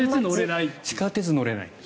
地下鉄に乗れない。